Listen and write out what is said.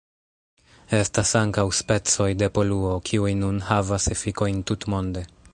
Estas ankaŭ specoj de poluo, kiuj nun havas efikojn tutmonde.